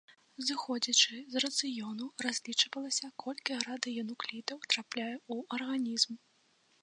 Зыходзячы з рацыёну, разлічвалася, колькі радыенуклідаў трапляе ў арганізм.